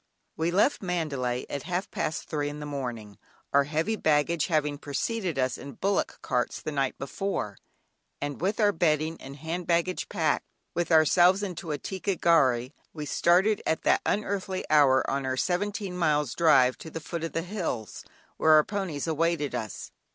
"John Gilpin." We left Mandalay at half past three in the morning, (our heavy baggage having preceded us in bullock carts the night before) and with our bedding and hand baggage packed with ourselves into a "ticca gharry," we started at that unearthly hour on our seventeen miles drive to the foot of the hills, where our ponies awaited us.